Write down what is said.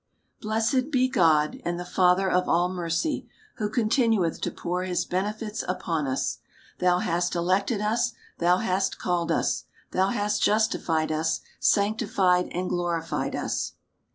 Blessed be God, and the Father of all mercy, who continueth to pour his benefits upon us. Thou hast elected us, thou hast called us, thou hast justified us, sanctified, and glorified us.